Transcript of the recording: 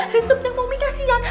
rinsuknya momi kasihan